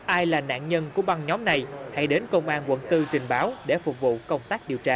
ai là nạn nhân của băng nhóm này hãy đến công an quận bốn trình báo để phục vụ công tác điều tra